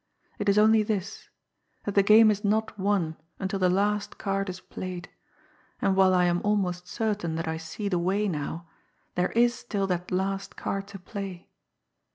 It is only this that the game is not won until the last card is played, and, while I am almost certain that I see the way now, there is still that last card to play.